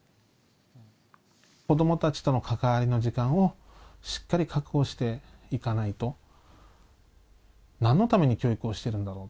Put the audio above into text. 子どもたちとの関わりの時間をしっかり確保していかないと、なんのために教育をしているんだろう。